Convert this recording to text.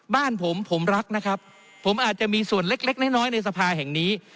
บ้านผมผมรักนะครับผมอาจจะมีส่วนเล็กเล็กน้อยน้อยในสภาแห่งนี้